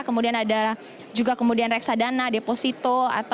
kemudian ada juga kemudian reksadana deposito